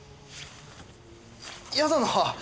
やだなあ